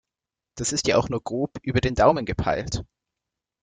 Das ist ja auch nur grob über den Daumen gepeilt.